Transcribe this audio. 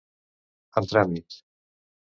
En tràmit.